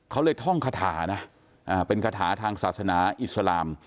เขาเลยท่องคาถานะเป็นคาถาทางศาสนาอิสลาม